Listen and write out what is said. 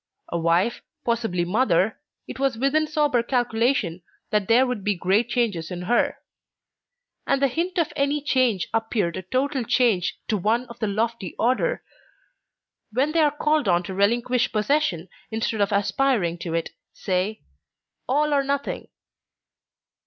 A wife, possibly mother, it was within sober calculation that there would be great changes in her. And the hint of any change appeared a total change to one of the lofty order who, when they are called on to relinquish possession instead of aspiring to it, say, All or nothing!